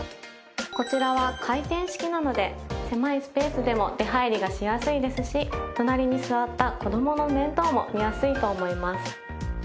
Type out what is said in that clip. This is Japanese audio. こちらは回転式なので狭いスペースでも出入りがしやすいですし隣に座った子どもの面倒も見やすいと思います。